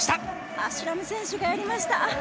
アシュラム選手がやりました。